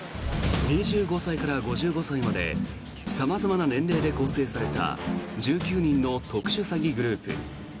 ２５歳から５５歳まで様々な年齢で構成された１９人の特殊詐欺グループ。